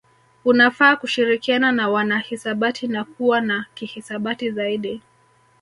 Unafaa kushirikiana na wanahisabati na kuwa wa kihisabati zaidi